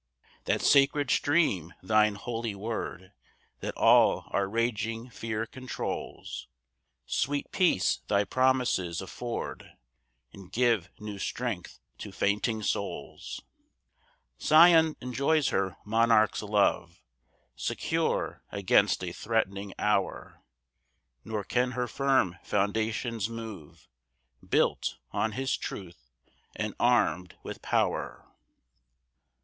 5 That sacred stream, thine holy word, That all our raging fear controls: Sweet peace thy promises afford, And give new strength to fainting souls. 6 Sion enjoys her monarch's love, Secure against a threatening hour; Nor can her firm foundations move, Built on his truth, and arm'd with pow'r.